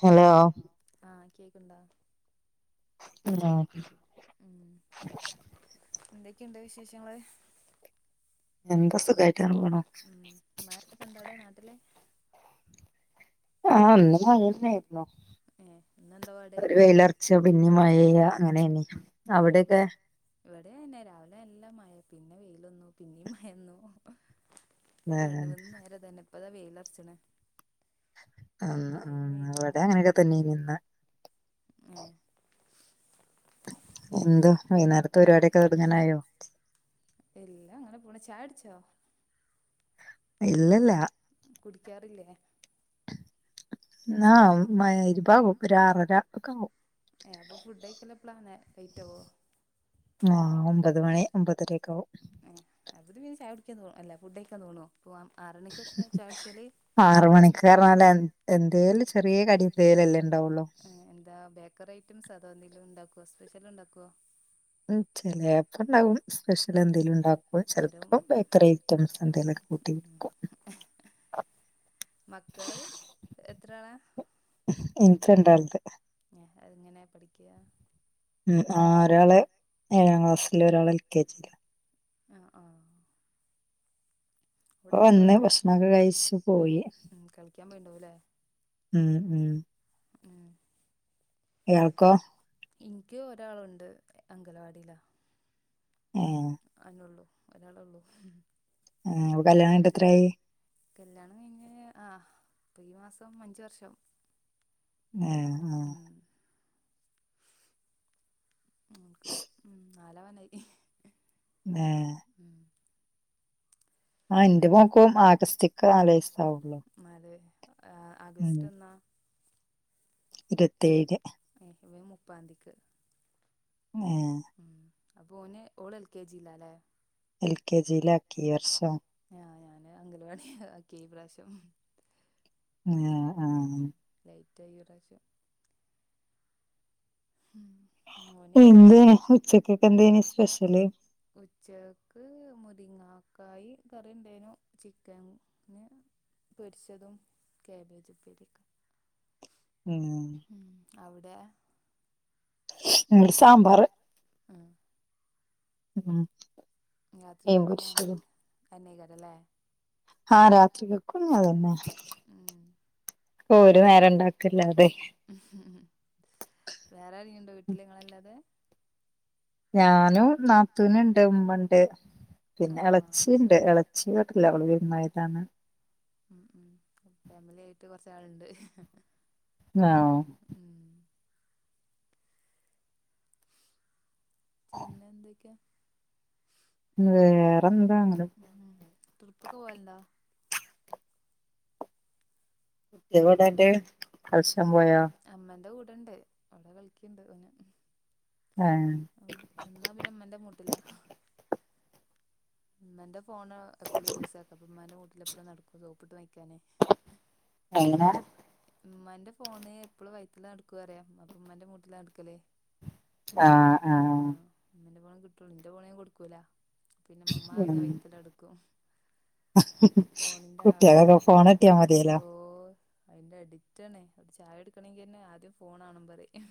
Hello ആഹ് കേക്ക്ണ്ടോ hello ഉം എന്തൊക്കെണ്ട് വിശേഷങ്ങള് എന്താ സുഖായിട്ട് പോണു ഉം മഴക്ക്ണ്ടോ അവിടെ നാട്ടില് ആഹ് ഇന്ന് മഴന്നേര്ന്നു ഏഹ് ഇന്നെന്താ പാട് ഒരു വെയില ച്ച പിന്നെ മഴയ്യ അങ്ങനേണ് ഏ ഇവിടെ അതന്നെ രാവിലെ നല്ല മഴ പിന്നെ വെയിലൊന്നു പിന്നീ മഴന്നു ഇപ്പ ഏ രണ്ട് മൂന്ന് നേരെ ഇതന്നെ ഇപ്പതാ വെയിലർച്ചണ് ആ ഇവിടെ അങ്ങനെയൊക്കെ തന്നേന്ന് ഇന്ന് ആഹ് എന്തോ വൈന്നേരത്തെ പരിപാടിയൊക്കെ തൊടങ്ങാനായോ ഇല്ലാ അങ്ങനെ പോണ് ചായുടിച്ചോ ഇല്ലല്ല കുടിക്കാറില്ലേ [unintelligible] ഏ അപ്പോ ഫുഡ് കഴിക്കല്‌ എപ്പളാ ലേറ്റാവോ ആഹ് ഒമ്പത് മണി ഒമ്പതരേക്കാവും ആ, അത് പിന്നെ ചായ കുടിക്കാൻ തോന്ന, അല്ല ഫുഡ് കഴിക്കാൻ തോന്നോ പോവാം ആറ് നിക്കൊക്കെ ചായ കുടിച്ചല് ആറ് മണിക്ക് ന്നറഞ്ഞാലെഎന്തേലും ചെറിയ കടി ന്തേലല്ലേ ഉണ്ടാവുള്ളോ എന്താ ബേക്കറി ഐറ്റംസ്, അതോ എന്തെങ്കിലും ഉണ്ടാക്കുവോ സ്പെഷ്യൽ ഉണ്ടാക്കുവോ ഉം, ചെലപ്പോ ഉണ്ടാവും സ്പെഷ്യൽ എന്തേലും ഉണ്ടാക്കും ഓള് ഓരോ ചിലപ്പോ ബേക്കറി ഐറ്റംസ് എന്തിലൊക്കെ ഉം കൂട്ടിടുക്കും മക്കള് എത്രാളാ എനിക്ക് രണ്ടാള്ണ്ട് അത് എങ്ങനെയാ പഠിക്കാ ഉം ആഹ് ഒരാള് ഏഴാം ക്ലാസ്സില് ഒരാൾ എൽ കെ ജി ല് ആഹ് ആഹ് ഇപ്പൊ എവിടെന്നിട്ട് വന്ന് അവര് ഭക്ഷണൊക്കെ കഴിച്ചു പോയി ഉം കളിക്കാൻ പോയിണ്ടാവുംല്ലേ ഉം ഉം ഉം ഇയാൾക്കോ എനിക്ക് ഒരാളുണ്ട് അംഗലവാടിയിലാ ഏഹ് അതനൊള്ളു ഒരാളൊള്ളൂ ആ കല്യാണം കഴിഞ്ഞിട്ട് എത്രയായി കല്ല്യാണം കഴിഞ്ഞ് ആഹ് ഇപ്പം ഈ മാസം അഞ്ച് വർഷാകും ആഹ ആഹ് മോൾക്ക് നാലാവാനായി ഏഹ് ഉം ആ എന്റെ മോൾക്കും ആഗസ്റ്റിക്ക് നാല് വയസാവുള്ളു ന്നാല് ആഹ് ആഗസ്റ്റ് എന്നാ ഇരുപത്തേഴ്ന് ഏഹ് ഇവൻ മുപ്പാന്തിക്ക് ഏഹ് ഉം അപ്പൊ ഓന് ഓള് എൽ കെ ജി ലാല്ലേ എൽ കെ ജി ലാക്കി ഈ വർഷം ആഹ് ഞാന് അംഗനവാടി ആക്കി ഈ പ്രാവശ്യം ആഹ് ആഹ് ലൈറ്റായി ഈ പ്രാവശ്യം ഉം ഓന് അയിന് എന്തേ ഉച്ചക്കൊക്കെ എന്തേന് സ്പെഷ്യല് ഉച്ചകക്ക് മുരിങ്ങാക്കായി കറി ഉണ്ടേനു ചിക്കൻ പിന്നെ പൊരിച്ചതും ക്യാബേജ് ഉപ്പേരിയും ഒക്കെ ഉം ഉം അവിടെ ഉം സാമ്പാറ് ഉം ഉം മീൻ രാത്രികക്കുംഞ്ഞതന്നെ പൊരിച്ചതും അതന്നെയ്ക്കാരല്ലേ ആഹ് രാത്രികക്കും ഇഞ്ഞതന്നെ ഉം ഒരു നേരം ഇണ്ടാക്കല്ലാതെ വേറെ അരെങ്കിലുംണ്ടോ വീട്ടില് ഇങ്ങളെല്ലാതെ ഞാനും നാത്തൂന്ണ്ട് ഉമ്മണ്ട് ആ പിന്നെ ആ എളച്ചിണ്ട് എള [unintelligible] അവള് വിര്ന്നോയതാണ് ഉം ഉം അപ്പം ഫാമിലി ആയിട്ട് കൊറച്ച് ആള്ണ്ട് ആഹ് ഉം പിന്നെ എന്തൊക്കെയാ? വേറെന്താ അങ്ങനെ ഉം ട്രിപ്പൊക്കെ പോവലുണ്ടോ? എവിടെ [unintelligible] കലിച്ചാൻ പോയാ? അമ്മന്റെ കൂടെണ്ട് അവിടെ കളിക്കുണ്ട് ഓന് ആഹ് ഓ എന്നാ പിന്നമ്മന്റെ മൂട്ടില ഇമ്മെന്റെ ഫോണ് എപ്പളും യൂസാക്കും അപ്പ ഉമ്മാന്റെ മൂട്ടിൽ എപ്പഴും നടക്കും സോപ്പിട്ട് വാങ്ങിക്കാനേ എങ്ങനെ ഉമ്മാന്റെ ഫോണ് എപ്പോളും വൈറ്റല്ലാം എടുക്കു അറിയാം അപ്പ ഉമ്മാന്റെ മൂട്ടിലാ നടക്കല് ആഹ് ആ ഇമ്മന്റെ പോണേ കിട്ടുള്ളു ഇന്റെ ഫോണ് ഞാന് കൊടുക്കൂല പിന്നെ ഇമ്മമ്മാ പറഞ്ഞ ഉം വൈത്തല എടുക്കും ഫോണിന്റെ ആളാണ് കുട്ടികളൊക്കെ ഫോൺ കിട്ടിയാ മതിയല്ലോ ഓ അതിന്റെ അഡിറ്റാണേ അവിടെ ചായ എടുക്കണങ്കിന്നെ ആദ്യം ഫോണാണം പറയും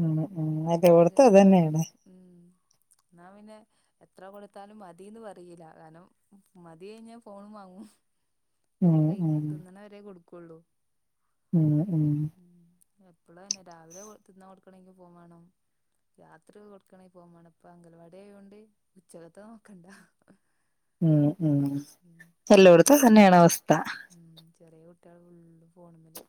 ഉം ഉം ഫോൺക്ക് ഇവിടുത്തെ അതെന്നേണ് ഉം ഇന്നാ പിന്നെ എത്ര കൊട് ത്താലും മതിന്ന് പറയില്ല കാരണം മതി കഴിഞ്ഞാൽ ഫോണും വാങ്ങും ഫോൺ ഉം കഴി ഉം തിന്ന്ണവരേ കൊടുക്കുള്ളൂ ഉം ഉം എപ്പളും അതന്നെ രാവിലെ തിന്നാ കൊടുക്കണങ്കിൽ ഫോൺ വാണം രാത്രി കൊടുക്കണെ ഫോൺ വാണം ഇപ്പ അംഗലവാടിയായോണ്ട് ഉച്ചകത്തെ നോക്കണ്ട ഉം ഉം ഉം അതെ എല്ലോടുത്തും അതന്നേന്ന് അവസ്ഥ ഉം ചെറ്യാ കുട്ടികള് ഫുള്ള് ഫോണുമേല്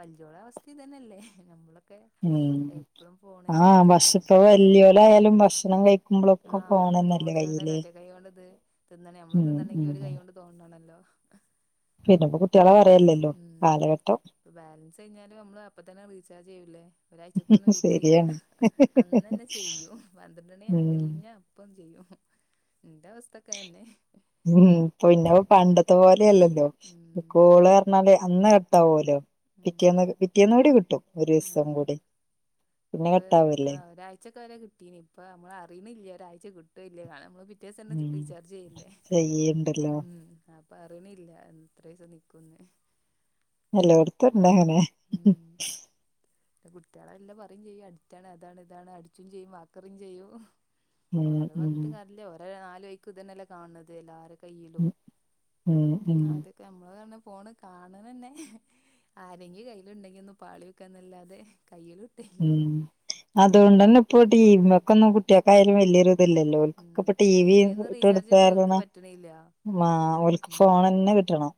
വല്യോരുടെ അവസ്ഥ ഇതന്നെയല്ലേ ഹ് നമ്മളൊക്കെ ഉം എപ്പഴും ഫോണിന്റെ ആഹ് അഡിക്റ്റ് അല്ലേ ഭക്ഷ് ഇപ്പോ വല്യോലായാലും ഭക്ഷണം കഴിക്കുമ്പോളൊക്കെ ഫോണേന്നെ തോണ്ടിങ്കാണ്ട്ല്ലേഒറ്റ കൈ കൊണ്ട് ഇത് തിന്നണെ നമ്മളും ഉം തിന്നണെങ്കി ഉം ഒരു കൈ കൊണ്ട് തോണ്ടണല്ലോ പിന്നെപ്പ കുട്ട്യോളെ പറയല്ലല്ലോ കാലഘട്ടം ഇപ്പൊ ബാലൻസ് കഴിഞ്ഞാലും നമ്മള് അപ്പ തന്നെ റീചാർജ് ചെയ്യൂല്ലേ ഒരാഴ്ചക്ക് ഒന്നും വെയിറ്റ് ചെയ്യൂല്ല ശരിയാണ് അന്നന്നെ ചെയ്യും ഹ് പന്ത്രണ്ടണി ആ ഉം കഴിഞ്ഞ ഇപ്പം ചെയ്യും ഇന്റെ അവസ്ഥക്കെ അതന്നെ ഉം പിന്നപ്പ പണ്ടത്തെ പോലെല്ലല്ലോ ഉം കോള് എന്നാലേ അന്ന് കട്ടാവോല്ലോ ഉം പിറ്റേന്ന് പിറ്റേന്ന് കൂടി കിട്ടും ഒരിസം കൂടി പിന്നെ ഇപ്പ ആ കട്ടാവല്ലേ ഒരാഴ്ചക്കെ വരെ കിട്ടീനി ഇപ്പൊ നമ്മൾ അറിയ്ണില്ല ഒരാഴ്ച കിട്ടുവോ ഇല്ലേന നമ്മള് പിറ്റേസം തന്നെ ഉം റീചാർജ് ചെയ്യില്ലേ ചെയ്യണ്ടല്ലോ ഉം അപ് പ്റയ്ണില്ല എത്രിസം നിക്കൂന്ന് എല്ലോടത്തും ഉണ്ട് അങ്ങനെ ഉം കുട്ട്യോളെല്ല പറ യും ചെയ്യും അഡിക്റ്റാണ് അതാണ് ഇതാണ് അടിച്ചും ചെയ്യും വാക്കറിയും ചെയ്യും ഹും ഉം ഓരെ ഉം പറഞ്ഞിട്ട് കാര്യല്ല ഓ നാല് വയിക്കും ഇതന്നെല്ലേ കാണ്ന്നത് എല്ലാരെ കയ്യിലും ഉം ഉം അതെ ക്ക് നമ്മള് പറഞ്ഞാ ഫോണ് കാണ്‌ന്നെന്നെ ആരെങ്കിലും കയ്യിൽണ്ടെങ്കി ഒന്നും പാളിയോക്കാന്നല്ലാതെ കയ്യില് കിട്ടലില്ലേനി ഉം അതോണ്ടന്നെ ഇപ്പോ ടിവി വിമ്മക്കൊന്നും മക്കൊന്നും കുട്ട്യാക്ക് ആയാലും വല്യൊരു ഇതില്ലല്ലോ ഓല്ക്ക് ക്കെ ഉം ഇപ്പൊ ടി വി ഒന്നും ഇട്ട് റീചാർജ് ചെയ്തിട്ട് ഓൽക്ക് കൊടുത്താരുന്ന പറ്റണില്ല മാ ഓല്ക്ക് ഫോണന്നെ കിട്ടണം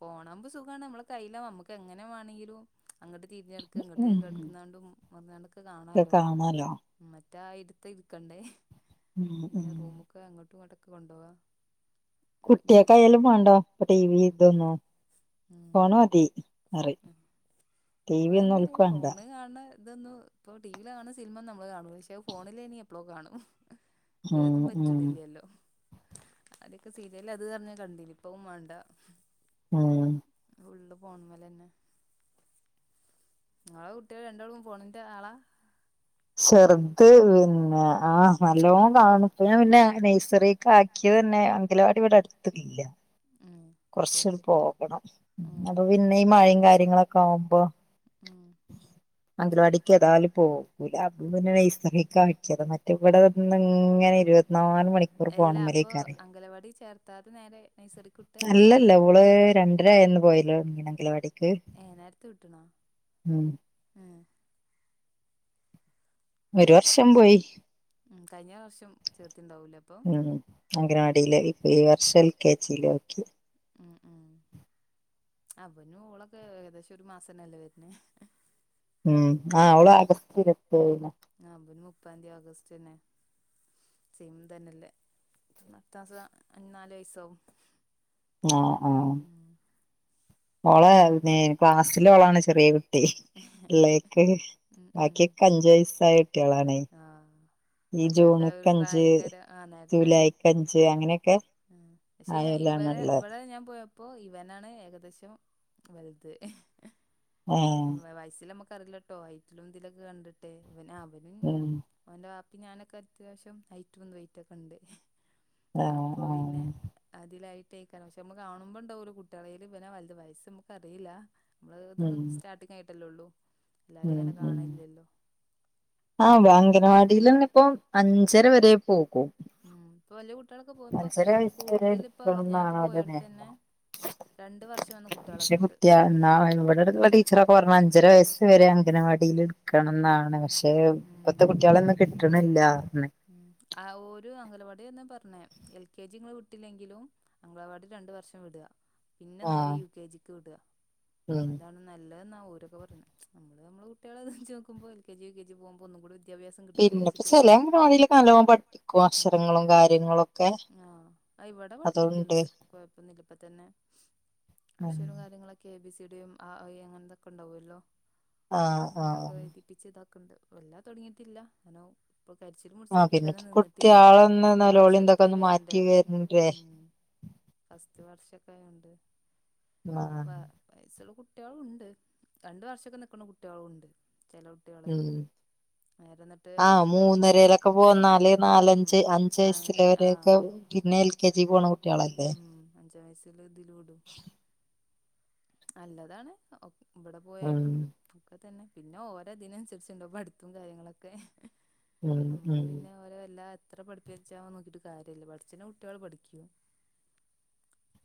ഫോണാവുമ്പോ സുഖാണ് നമ്മള കയ്യിലും നമ്മക്ക് എങ്ങനെ വാണെങ്കിലും അങ്ങോട്ട് തിരിഞ്ഞടു ഇങ്ങോട്ട് ഉം കടന്ന് ങ്ങാണ്ടും മറിഞ്ഞ് ങ്ങാണ്ടൊക്കെ കാണാലോ ഉം മറ്റാ ഇടത്തെ ഇടുക്കണ്ടേ ഉം ഇനി ഉം റൂമൊക്കെ അങ്ങോട്ടും ഇങ്ങോട്ടൊക്കെ കൊണ്ടോവാ കുട്ടിയക്കായാലും വേണ്ടാ പ്പോ ടി വി ഇതൊന്നും മ്മ് ഫോണ് മതി പറയും ഫോണ് മതി ടി നമ്മള് വി ഒന്നും അതന്നെ ഓൽക്ക് വേണ്ട ഫോണ് കാണണ ഇതൊന്നും ഇപ്പോ ടിവിയില് കാണുന്ന സിൽമന്നും നമ്മള് കാണൂല പക്ഷേ അത് ഫോണിലെയ്നി എപ്പളോ കാണും. ഉം ഏതും ഉം പറ്റണില്ലല്ലോ ക്ക് സീരിയല് അത് പറഞ് കണ്ടീനിം ഇപ്പതും മാണ്ട ഊം ഫുള്ള് ഫോണ്മ്ലെന്നെ നിങ്ങളെ കുട്ട്യാള് രണ്ടാളും ഫോണിന്റെ ആളാ? ചെർത് പിന്നെ ആ ഉം നല്ലോം കാണു ഇപ്പം ഞ പിന്നെ നൈസറി കാക്കിയതന്നെ അംഗലവാടി ഇവിടെ അടുത്തില്ല ഉം കൊറച്ച് അണ് പോകണം ഉം അപ്പൊ പിന്നെ ഈ മഴയും കാര്യങ്ങളൊക്കെ ആവുമ്പോ ഉം അംഗലവാടീക്കേതായാലും പോവൂല അപ്പപിന്നെ നേഴ്സറീക്കാകീത. മറ്റ ഇവിടെ വന്ന് ഇങ്ങനെ ഇരുപത്തിനാല് ഉം മണിക്കൂറും എല്ലാ അപ്പൊ ഫോണ്മ്മലെയ്ക്കാരം. അംഗലവാടി ചേർത്ത് ത്താതെ നേരെ നഴ്സറിക്ക് അല്ലല്ല ഓള് രണ്ടരായന്ന് പോയീന് അംഗലവാടിക്ക് ഏഹ് നേരത്ത് ട്ടണോ ഏഹ് ഒരു വർഷം പോയി ഉം കഴിഞ്ഞ വർഷം ചേർത്തിണ്ടാവുലേ ഉം അംഗനവാടീല് ഇപ്പൊ ഈ വർഷം എൽ കെ ജി ലും ആക്കി ആഹ് ആഹ് അപ്പം പിന്നെ ഓളൊക്കെ ഏകദേശം ഒരു മാസന്നല്ലേ വെര്ണത് ഉം ആഹ് അവള് ആഗസ്റ്റ് ഇരുപത്തി ഏഴ്നാ ആഹ് ഇബൻ മുപ്പാന്തിയ ഓഗസ്റ്റ് തന്നെ ചിന്തന്നെല്ല അട്ത്ത മാസം നാല് വയസാവും ആഹ് ആഹ് ഉം ഓള പിന്നെ ക്ലാസ്സില് ഓളാണ് ചെറിയ കുട്ടി ഇള്ളേക്ക് ഉം ഉം ബാക്കിയൊക്കേ അഞ്ചു വയസായ കുട്ട്യാളാണ് ആഹ് ഈ ഇവന്റൊക്കെ ഒരു ജൂണ്ക്ക് അഞ്ച് പ്രായക്കാര് ജൂലൈക്ക് അഞ്ച് അങ്ങനെ ആഹ് പക്ഷെ ഇവലെ ഇവടെ ഞാൻ പോയ പ്പോ ഇവനാണ് ഏകദേശം വൽത് ഏ വയസിലമ്മക്ക് റില്ലട്ടോ ഹൈറ്റിലും ഇതിലൊക്കെ കണ്ടിട്ടെ ഇവൻ ആ ഇവനും ഉം ഓന്റെ ബാപ്പി ഞാനൊക്കെ അത്യാവശ്യം ഹൈറ്റും വെയിറ്റൊക്കെണ്ട് ആ അപ്പൊ ആ പിന്നെ അതിലായിട്ടെയ്ക്കാരം പക്ഷെ നമ്മക്ക് കാണുമ്പോണ്ടാവല്ലോ കുട്ട്യാൾതീല് ബനാ വൽത് വയസ് നമുക്ക് അറീല്ല നമ്മള് ഉം ഇത്ങ്ങനെ സ്റ്റാർട്ടിങ് ആയിട്ടല്ലോള്ളു എല്ലാരേം ഉം ഇങ്ങനെ ഉം കാണലില്ലല്ലോ ആഹ് ഉം അംഗനവാടിലെന്നെ ഇപ്പോ അഞ്ചര വരെ പോകും ഉം ഇപ്പൊ വലിയ കുട്ടികളൊക്കെ പോയി ഇപ്പോ അഞ്ചര വയസ് വരെ കൂടുതല് ഇപ്പൊ ഞാൻ എടുക്കണംന്നാണ് ഇപ്പൊ അവരുടെ പോയോടുത്ത് തന്നെ നിയമം രണ്ട് വർഷം വന്ന കുട്ടികളൊക്കെണ്ട് യാ എന്നാ ഇവടട് ത്തെ ടീച്ചറൊക്കെ പറഞ്ഞു അഞ്ചര വയസ് വരെ ആണ് അടീൽ എടുക്കണം എന്നാണ് പക്ഷെ ഉം ഇപ്പത്തെ കുട്ട്യാളൊന്നും കിട്ടണില്ല അർഞ് ഉം ആഹ് ഓരു അംഗലവാടിന്നാ പർഞ്ഞേ എൽ കെ ജി ങ്ങള് വിട്ടില്ലെങ്കിലും അംഗലവാടി രണ്ടു വർഷം വിട പിന്നെ നേരെ ആഹ് യു കെ ജിക്ക് വിട ഉം അതാണ് നല്ലതെന്ന ഓരൊക്കെ പറീണത് നമ്മള് നമ്മള് കുട്ടികളെ നോക്കുമ്പോ L K G, U K G പോകുമ്പോ ഒന്നും കൂടി വിദ്യാഭ്യാസം കിട്ടട്ടെ പിന്നെപ്പോ വെച്ചിട്ട് ചെലെ അംഗനവാടീല് നല്ലോം പഠിപ്പിക്കും അക്ഷരങ്ങളും കാര്യങ്ങളും ആഹ് ഇവിടെ പഠിപ്പിക്ക്ണ്ട് കൊഴപ്പന്നില്ല ഇപ്പ തന്നെ അക്ഷരും കാര്യങ്ങളൊക്കെ എ ബി സി ഡി യും ആ അങ്ങനെന്തൊക്കെ ഉണ്ടാവോല്ലോ ആഹ് ആഹ് ഓക്കെ എഴുതി പ്പിച്ച് ഇതാക്കണ്ട് വല്ലാ തുടങ്ങിയിട്ടില്ല അനോ ഇപ്പൊ കരിച്ചിലും ആഹ് മുടിച്ചിലും ഇപ്പ തന്നെ പിന്നെപ്പോ നിന്നിട്ടില്ലേ കുട്ടികളൊന്ന് ആഹ് നൊലോളി ഇതൊക്കെ സെറ്റായി ഒന്ന് മാറ്റി വരണ്ടേ വരണ്ടേ ഉം ഫസ്റ്റ് വർഷൊക്കെ ആയോണ്ട് ആഹ് വ വയസ്സുള്ള കുട്ടികളും ഉണ്ട് രണ്ട് വർഷക്കെ നിക്കണ കുട്ടികളും ഉണ്ട് ചില കുട്ടികളെ ഉം നേരെ എന്നിട്ട് ആഹ് മൂന്നരയിലൊക്കെ പോന്നാല് ഉം നാലഞ്ച് അഞ്ച് ആ വയസ്സിൽ ആ വരെക്കെ പിന്നെ എൽ കെ ജി പോണ കുട്ടികളല്ലേ ഉം അഞ്ചാം വയസില് ഇതിലൂടും നല്ലതാണ് ഒക് ഇവിടെ ഉം പോയാലും ഒക്കെ തന്നെ പിന്നെ ഓരോ ഇതിനന്നുസരിച്ചുണ്ടാവും പഠിപ്പും കാര്യങ്ങളൊക്കെ ഉം നമ്മള് ഉം പിന്നെ ഓരോ എല്ലാ എത്ര പഠിപ്പി വെച്ചാ നോക്കിട്ട് കാര്യമല്ല പഠിച്ച കുട്ടികള് പഠിക്കും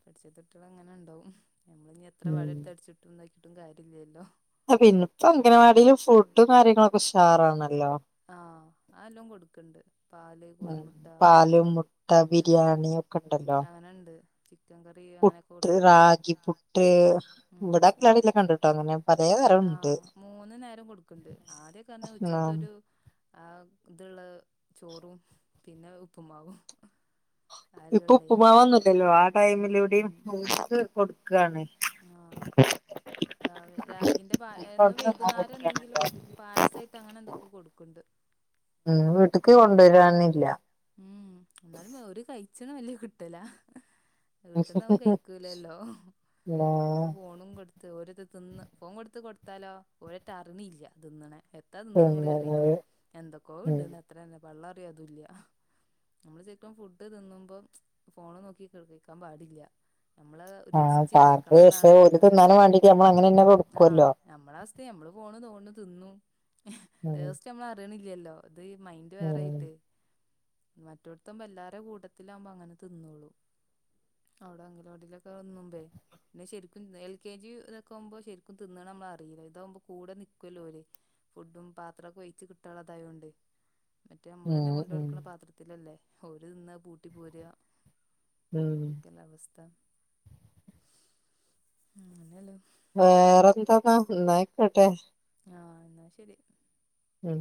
പഠിച്ചാത്ത കുട്ടികൾ അങ്ങനെ ഉണ്ടാവും നമ്മള് ഇനി എത്ര ഉം വടി എടുത്ത് അടിച്ചിട്ടും ഇതാക്കിട്ടും കാര്യല്ലല്ലോ ആഹ് പിന്ന ഇപ്പോ അംഗനവാടിലും ഫുഡും കാര്യങ്ങളൊക്കെ ഉഷാറാണല്ലോ ആഹ് അത് എല്ലാം കൊടുക്കണ്ട് പാല് ഉം കോഴിമുട്ട പാലും മുട്ട ഉം ബിരിയാണി ഒക്കെ ഉണ്ടല്ലോ അങ്ങനെണ്ട് ചിക്കൻ കറി അങ്ങനെയൊക്കെ പുട്ട് കൊടുക്കണ റാഗി പുട്ട് ഉം ഇവിട [unintelligible] കണ്ടിട്ടോ അങ്ങനെ പലതരം ഉണ്ട് ആഹ് മൂന്ന് നേരം കൊടുക്കണ്ട് ആദ്യക്കർഞ്ഞ ആഹ് ഉച്ചത്തൊരു ആഹ് ഇതുള്ള ചോറും പിന്നെ ഉപ്പുമാവും അതെല്ലേ ഇപ്പൊ ഉള്ളേന് ഉപ്പുമാവൊന്നുല്ലല്ലോ ആ ടൈമില് എവിടെയും ഉം [unintelligible] കൊടു ആഹ് രാവി രാഗിന്റെ ഓൽക്ക് എന്നും അവിടുന്ന് തിന്നാൻ വൈകുന്നേരം എന്തെങ്കിലും കൊടുക്കാണല്ലോ പായസായിട്ട് അങ്ങനെ എന്തൊക്കെ കൊടുക്കണ്ട് ഉം വീട്ടക്ക് കൊണ്ടുവരാനില്ല ഉം എന്നാലും ഓര് കഴിച്ചണ് വെല്യ കിട്ടല വീട്ട്ന്ന് അഹും കഴിക്കൂലല്ലോ ഉം നമ്മള് ഫോണും കൊടുത്ത് ഓരത്ത് തിന്ന് ഫോൺ കൊടുത്ത് കൊടുത്താലോ ഓരൊറ്റ അറിണില്ല തിന്നണത് എ എത്താ തിന്നണെ കൂടി അറിയില്ല എന്തൊക്കോ ഇടണ് അത്ര തന്നെ പള്ള നറയോ അതുല്ല നമ്മള് ശെരിക്കും ഫുഡ് തിന്നുമ്പം ഫോണ് നോക്കി കഴിക്കാൻ പാടില്ല നമ്മള് ആ രുചിച്ച് ഇറക്കണം എന്നാണ് [unintelligible] ആ തിന്നാനും വേണ്ടങ്കി നമ്മള് അങ്ങനെ തന്നെ ആഹ് കൊടുക്കുവല്ലോ നമ്മള അവസ്ഥയും നമ്മള് പോണ് തോന്ന്‌ണ് തിന്നും ഉം ടേസ്റ്റ് നമ്മള് അറിയണില്ലല്ലോ അത് മൈന്റ് ഉം വേറായിട്ട് എയ് മറ്റൊടത്തും എല്ലാരെ കൂട്ടത്തിലാവുമ്പോ അങ്ങന തിന്നോളൂ അവിടെ അംഗലവാടിലൊക്കെ വന്നുമ്പേ പിന്നെ ശരിക്കും എൽ കെ ജി ഇതൊക്കെ ആവുമ്പോ ശരിക്കും തിന്നണ് നമ്മള അറിയില്ല ഇതാകുമ്പോ കൂടെ നിക്കല്ലോ ഓല് ഫുഡും പാത്രൊക്കെ ഒഴിച്ച് കിട്ടാനുള്ളതായൊണ്ട് മറ്റേ ഇമ്മ്ളെന്നെ ഉം ഉം കൊണ്ടൊട്ക്ക്ണ പാത്രത്തിലല്ലേ ഓര് തിന്ന പൂട്ടി പോര ഉം ല്ലവസ്ഥ [unintelligible] വേറന്താന്നാ ന്നായിക്കോട്ടെ ആഹ് ന്നാ ശരി ഉം